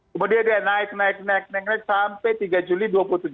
kemudian dia naik naik naik naik sampai tiga juli dua puluh tujuh